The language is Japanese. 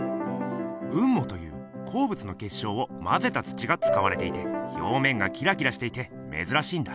雲母という鉱物の結晶をまぜた土がつかわれていて表面がキラキラしていてめずらしいんだ。